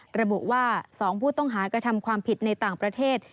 ระบุว่า๒ผู้ต้องหากระทำความผิดในต่างประเทศ